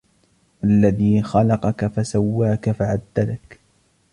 الذي خلقك فسواك فعدلك